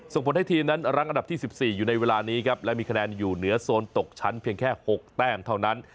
ส่งผลให้ทีมนั้นรั้งอันดับที่๑๔อยู่ในเวลานี้ครับและมีคะแนนอยู่เหนือโซนตกชั้นเพียงแค่๖แต้มเท่านั้น